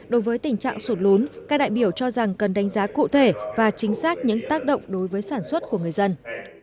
đối với tình trạng sụt lún các đại biểu cho rằng cần đánh giá cụ thể và chính xác những tác động đối với sản xuất của người dân